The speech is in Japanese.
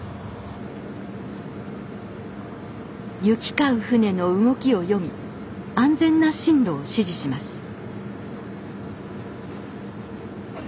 行き交う船の動きを読み安全な進路を指示します